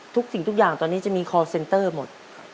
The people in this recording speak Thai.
สิ่งทุกอย่างตอนนี้จะมีคอลเซนเตอร์หมด